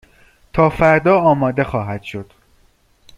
تا فردا آماده خواهد شد.